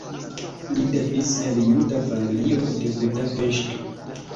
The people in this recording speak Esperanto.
Li devenis el juda familio de Budapeŝto.